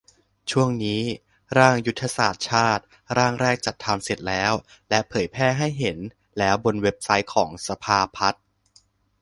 ช่วงนี้ร่าง ยุทธศาสตร์ชาติ ร่างแรกจัดทำเสร็จแล้ว และเผยแพร่ให้เห็นแล้วบนเว็บไซต์ของสภาพัฒน์